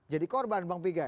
jadi korban bang pegah